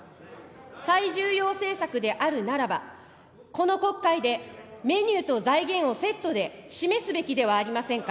最重要政策であるならば、この国会でメニューと財源をセットで示すべきではありませんか。